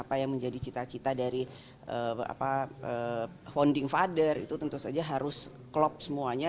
apa yang menjadi cita cita dari founding father itu tentu saja harus klop semuanya